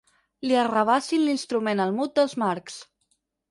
Li arrabassis l'instrument al mut dels Marx.